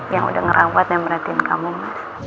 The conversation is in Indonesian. yang udah ngerawat yang merhatiin kamu mas